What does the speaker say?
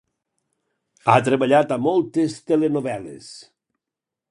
Ha treballat a moltes telenovel·les.